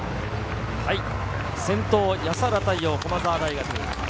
先頭、安原太陽・駒澤大学。